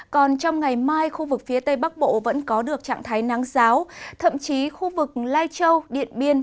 còn trong ngày mai khu vực phía tây bắc bộ vẫn có được trạng thái nắng giáo thậm chí khu vực lai châu điện biên